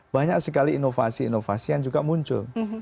banyak sekali inovasi inovasi yang juga muncul